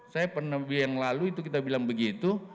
saya pernah yang lalu itu kita bilang begitu